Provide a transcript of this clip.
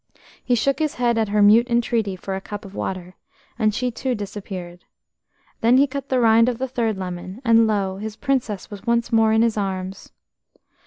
He shook his head at her mute entreaty for a cup of water, and she too disappeared. Then he cut the rind of the third lemon, and lo, his own Princess was once more in his arms!